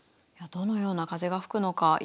どのような風が吹くのか